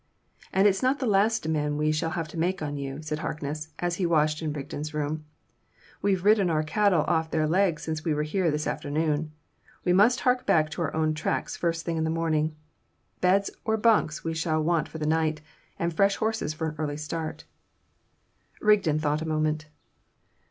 "And it's not the last demand we shall have to make on you," said Harkness, as he washed in Rigden's room; "we've ridden our cattle off their legs since we were here in the afternoon. We must hark back on our own tracks first thing in the morning. Beds or bunks we shall want for the night, and fresh horses for an early start." Rigden thought a moment.